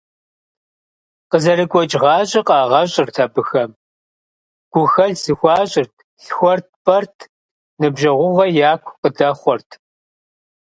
Къызэрыгуэкӏ гъащӏэ къагъэщӏырт абыхэм: гухэлъ зэхуащӏырт, лъхуэрт-пӏэрт, ныбжьэгъугъэ яку къыдэхъуэрт.